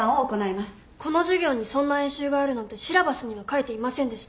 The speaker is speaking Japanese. この授業にそんな演習があるなんてシラバスには書いていませんでした。